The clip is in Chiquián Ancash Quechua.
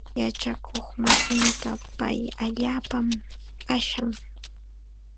Yachakuqmasinta pay allaapam ashan.